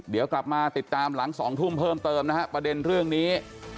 เดี๋ยวกลับมาติดตามหลัง๒ทุ่มเพิ่มเติมนะฮะประเด็นเรื่องนี้